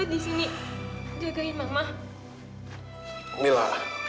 aku sama sekali gak pernah tertekan mila